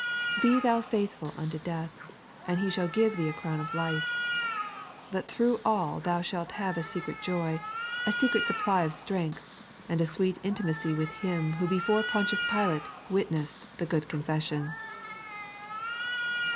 Be thou faith ful unto death, and He shall give thee a crown of life. But through all thou shalt have a secret joy, a secret supply of strength, and a sweet intimacy with Him who before Pontius Filate witnessed the good confession.